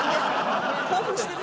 興奮してる？